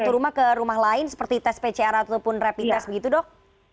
satu rumah ke rumah lain seperti tes pcr ataupun rapid test begitu dok